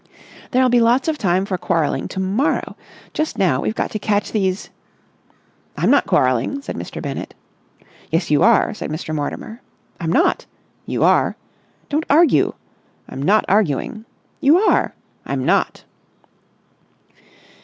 "There'll be lots of time for quarrelling to morrow. Just now we've got to catch these...." "I'm not quarrelling," said Mr. Bennett. "Yes, you are," said Mr. Mortimer. "I'm not!" "You are!" "Don't argue!" "I'm not arguing!" "You are!" "I'm not!"